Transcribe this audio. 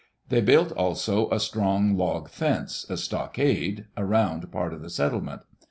They built also a strong log fence — a stockade — around part of the settlement.